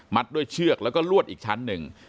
ด้วยเชือกแล้วก็ลวดอีกชั้นหนึ่ง